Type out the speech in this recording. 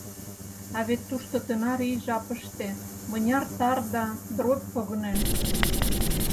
А вет тушто тынар ий жапыште мыняр тар да дробь погынен.